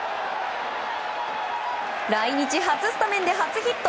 来日初スタメンで初ヒット。